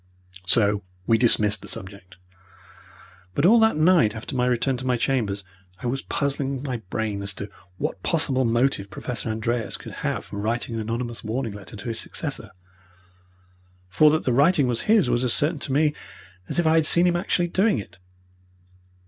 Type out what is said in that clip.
So we dismissed the subject, but all that night after my return to my chambers I was puzzling my brain as to what possible motive Professor Andreas could have for writing an anonymous warning letter to his successor for that the writing was his was as certain to me as if I had seen him actually doing it.